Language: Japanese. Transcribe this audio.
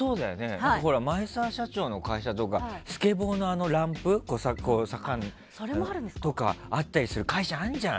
前澤社長の会社とかスケボーのやつとかあったりする会社あるじゃん。